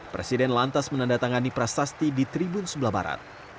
presiden lantas menandatangani prasasti di tribun sebelah barat